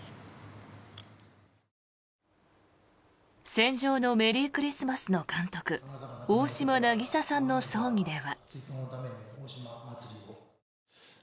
「戦場のメリークリスマス」の監督、大島渚さんの葬儀では。